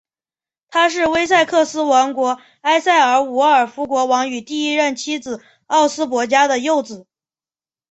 他是威塞克斯王国埃塞尔伍尔夫国王与第一任妻子奥斯博嘉的幼子。